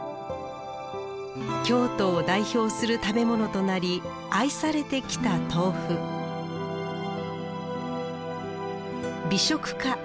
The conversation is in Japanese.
京都を代表する食べ物となり愛されてきた豆腐美食家